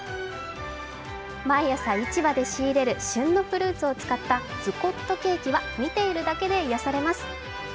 毎朝、市場で仕入れる旬のフルーツを使ったズコットケーキは見ているだけで癒やされます。